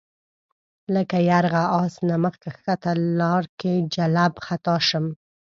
لکه یرغه آس نه مخ ښکته لار کې جلَب خطا شم